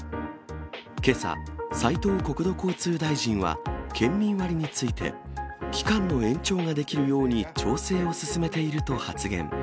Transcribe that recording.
けさ、斉藤国土交通大臣は、県民割について、期間の延長ができるように調整を進めていると発言。